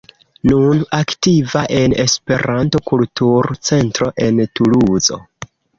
Nun aktiva en Esperanto-Kultur-Centro en Tuluzo.